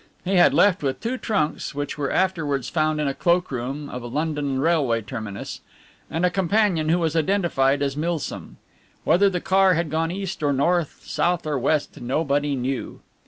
He had left with two trunks (which were afterwards found in a cloak room of a London railway terminus) and a companion who was identified as Milsom. Whether the car had gone east or north, south or west, nobody knew.